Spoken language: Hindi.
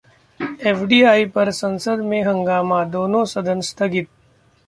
एफडीआई पर संसद में हंगामा, दोनों सदन स्थगित